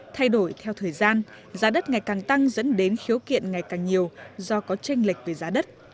thay đổi theo thời gian giá đất ngày càng tăng dẫn đến khiếu kiện ngày càng nhiều do có tranh lệch về giá đất